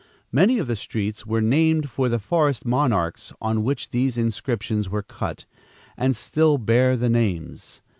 Many of the streets were named for the forest monarchs on which these inscriptions were cut, and still bear the names.